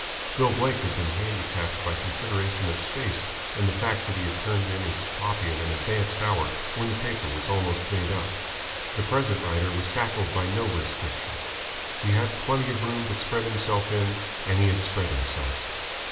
Bill Blake had been handicapped by consideration of space and the fact that he had turned in his copy at an advanced hour when the paper was almost made up. The present writer was shackled by no restrictions. He had plenty of room to spread himself in, and he had spread himself.